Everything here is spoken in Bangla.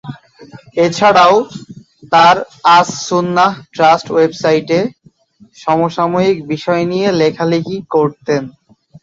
এছাড়াও তার আস সুন্নাহ ট্রাস্ট ওয়েবসাইটে সমসাময়িক বিষয় নিয়ে লেখালেখি করতেন।